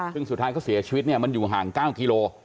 ซึ่งสุดท้ายเขาเสียชีวิตเนี่ยมันอยู่ห่าง๙กิโล